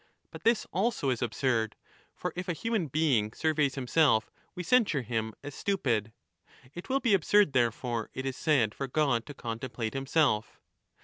But this also is absurd. For if a human being surveys himself, we censure him as stupid. It will be absurd therefore, it is said, for God to contemplate himself.